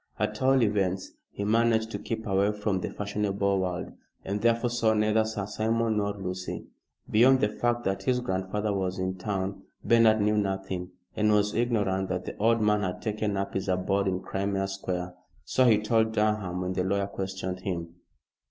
At all events he managed to keep away from the fashionable world, and therefore saw neither Sir Simon nor Lucy. Beyond the fact that his grandfather was in town Bernard knew nothing, and was ignorant that the old man had taken up his abode in Crimea Square. So he told Durham when the lawyer questioned him.